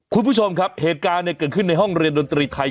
คุณผู้ชมครับเหตุการณ์เกิดขึ้นในห้องเรียนดนตรีไทย